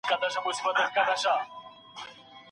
هسي نه بيا جدا سوو